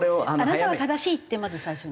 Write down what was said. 「あなたは正しい！」ってまず最初に？